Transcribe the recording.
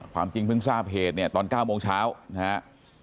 ความจริงเพิ่งทราบเหตุเนี่ยตอน๙โมงเช้านะครับ